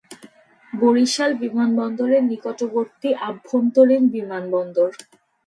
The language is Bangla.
বরিশাল বিমানবন্দর এর নিকটবর্তী আভ্যন্তরীণ বিমানবন্দর।